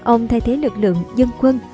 ông thay thế lực lượng dân quân